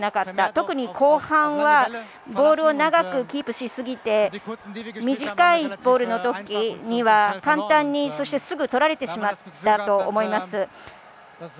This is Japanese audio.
特に後半はボールを長くキープしすぎて短いボールの時簡単に、そしてすぐとられてしまったと思います。